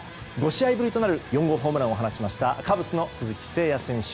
５試合ぶりとなる４号ホームランを放ったカブスの鈴木誠也選手。